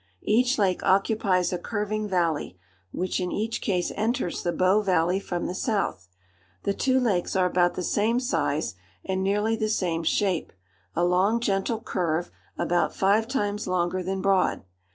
Each lake occupies a curving valley, which in each case enters the Bow valley from the south. The two lakes are about the same size and nearly the same shape, a long gentle curve about five times longer than broad.